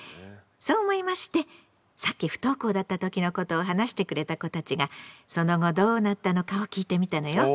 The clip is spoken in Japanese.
そう思いましてさっき不登校だった時のことを話してくれた子たちがその後どうなったのかを聞いてみたのよ。